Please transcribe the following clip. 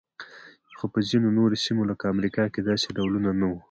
خو په ځینو نورو سیمو لکه امریکا کې داسې ډولونه نه وو.